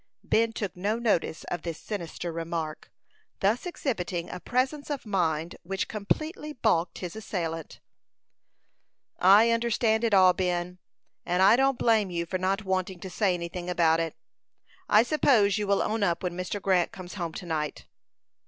Ben took no notice of this sinister remark, thus exhibiting a presence of mind which completely balked his assailant. "I understand it all, Ben; and I don't blame you for not wanting to say anything about it. I suppose you will own up when Mr. Grant comes home to night."